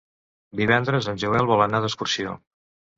Divendres en Joel vol anar d'excursió.